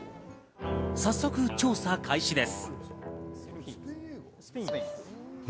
早速、調査開始です。